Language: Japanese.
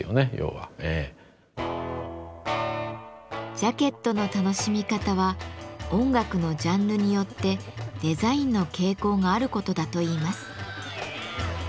ジャケットの楽しみ方は音楽のジャンルによってデザインの傾向があることだといいます。